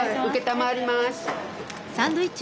承ります。